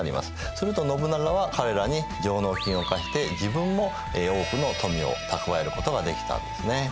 すると信長は彼らに上納金を課して自分も多くの富を蓄えることができたんですね。